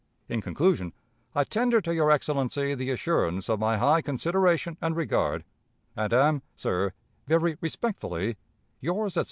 "In conclusion, I tender to your Excellency the assurance of my high consideration and regard, and am, sir, very respectfully, "Yours, etc.